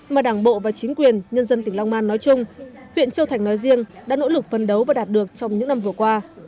mà đảng bộ và chính quyền nhân dân tỉnh long an nói chung huyện châu thành nói riêng đã nỗ lực phân đấu và đạt được trong những năm vừa qua